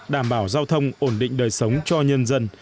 đảm bảo giao thông ổn định đời sống cho nhân dân